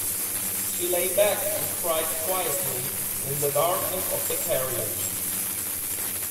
She lay back and cried quietly in the darkness of the carriage.